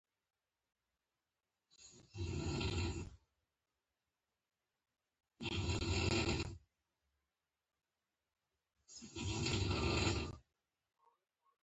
مقاومه قوه د عاملې قوې دوه برابره وي.